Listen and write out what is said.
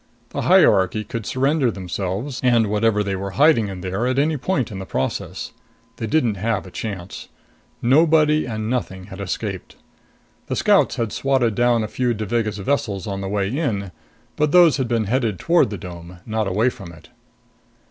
The hierarchy could surrender themselves and whatever they were hiding in there at any point in the process. They didn't have a chance. Nobody and nothing had escaped. The Scouts had swatted down a few Devagas vessels on the way in; but those had been headed toward the dome, not away from it.